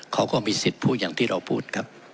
เขาก็มีสิทธิ์พูดอย่างที่เราพูดครับ